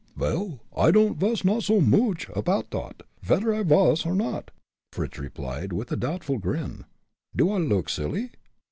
"Vel, I don'd vas know so mooch apoud dot, vedder I vas or not," Fritz replied, with a doubtful grin. "Do I look silly?"